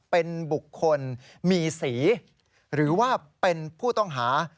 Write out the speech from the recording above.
เป็นบุคคลมีสีหรือว่าเป็นผู้ต้องหา